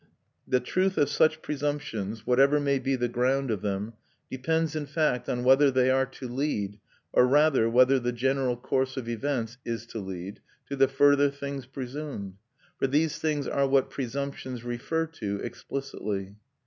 The truth of such presumptions, whatever may be the ground of them, depends in fact on whether they are to lead (or, rather, whether the general course of events is to lead) to the further things presumed; for these things are what presumptions refer to explicitly.